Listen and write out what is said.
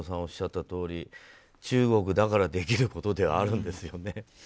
おっしゃったとおり中国だからできることではあるんですよね。